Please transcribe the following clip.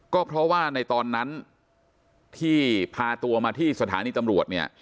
ก็เพราะว่าในตอนนั้นที่พาตัวมาที่สถานีตำรวจเนี่ย